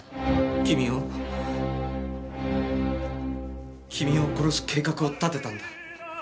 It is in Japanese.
君を君を殺す計画を立てたんだ。